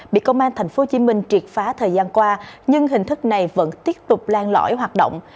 bị công an tp hcm triệt phá thời gian qua nhưng hình thức này vẫn tiếp tục lan lõi hoạt động